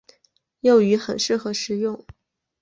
幼鱼很适合食用。